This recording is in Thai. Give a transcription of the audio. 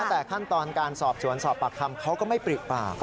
แต่ครั้งตอนการสอบสวนสอบปลับคำข้าวก็ไม่ปลีกปาก